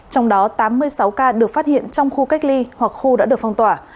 trong đó tám mươi sáu ca được phát hiện trong khu cách ly hoặc khu đã được phong tỏa